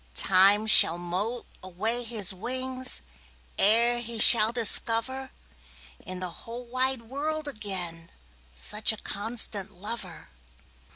Time shall moult away his wingsEre he shall discoverIn the whole wide world againSuch a constant lover.